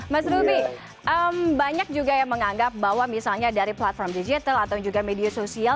mas ruby banyak juga yang menganggap bahwa misalnya dari platform digital atau juga media sosial